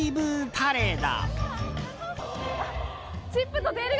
パレード。